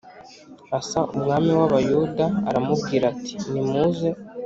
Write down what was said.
Asa umwami w Abayuda aramubwira ati nimuze